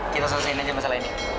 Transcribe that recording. kita selesaikan aja masalah ini